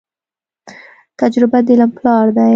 تجربه د علم پلار دی.